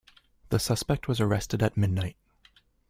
The suspect was arrested at midnight